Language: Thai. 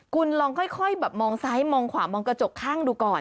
คุณลองค่อยแบบมองซ้ายมองขวามองกระจกข้างดูก่อน